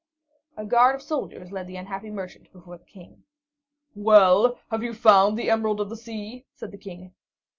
A guard of soldiers led the unhappy merchant before the King. "Well, have you found the Emerald of the Sea?" said the King.